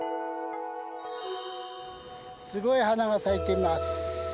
すごい花が咲いています。